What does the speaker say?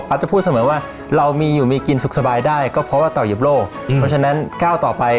ครับจริงก็เห็นป๊าเหนื่อยมาตลอดนะครับ